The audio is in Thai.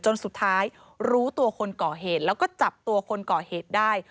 จนสุดท้ายรู้ตัวคนก่อเหตุแล้วก็จับตัวคนก่อเหตุได้